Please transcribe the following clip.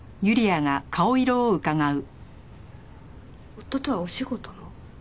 夫とはお仕事の？